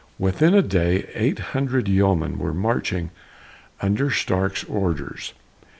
Within a day, eight hundred yeomen were marching under Stark's orders.